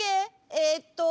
えっと。